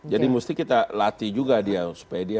jadi mesti kita latih juga dia supaya dia